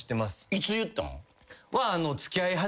いつ言ったん？